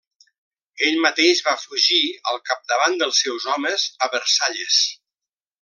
Ell mateix va fugir, al capdavant dels seus homes, a Versalles.